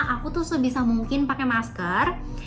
aku tuh sebisa mungkin pakai masker